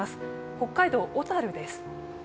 北海道小樽です。